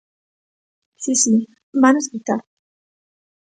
Si, si, ¡vano escoitar!